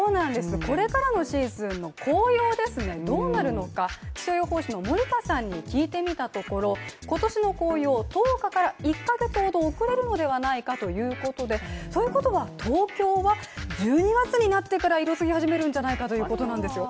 これからのシーズンの紅葉、どうなるのか気象予報士の森田さんに聞いてみたところ今年の紅葉、１０日から１か月ほど遅れるのではないかということでということは東京は１２月になってから色づき始めるんじゃないかということなんですよ。